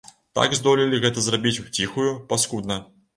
Так здолелі гэта зрабіць уціхую, паскудна.